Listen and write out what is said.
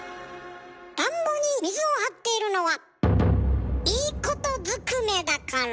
田んぼに水を張っているのはいいことずくめだから。